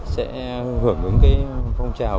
sẽ hưởng ứng phong trào